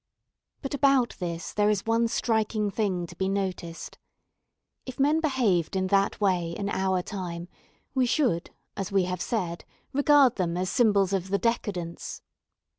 But about this there is one striking thing to be noticed. If men behaved in that way in our time, we should, as we have said, regard them as symbols of the 'decadence.'